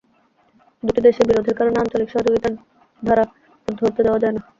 দুটি দেশের বিরোধের কারণে আঞ্চলিক সহযোগিতার ধারা রুদ্ধ হতে দেওয়া যায় না।